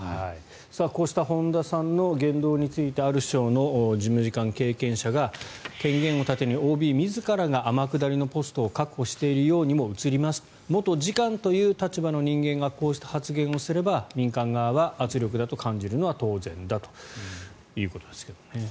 こうした本田さんの言動についてある省の事務次官経験者が権限を盾にＯＢ自らが天下りのポストを確保しようとしているようにも映ります元次官という立場の人間がこうした発言をすれば民間側が圧力と感じるのは当然だということですね。